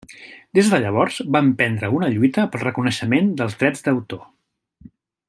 Des de llavors va emprendre una lluita pel reconeixement dels drets d'autor.